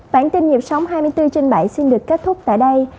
bạn tin nhịp sóng hai mươi bốn trên bảy xin được kết thúc tại đây